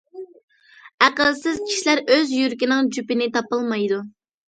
ئەقىلسىز كىشىلەر ئۆز يۈرىكىنىڭ جۈپىنى تاپالمايدۇ.